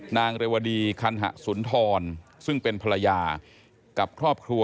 นางเรวดีคันหะสุนทรซึ่งเป็นภรรยากับครอบครัว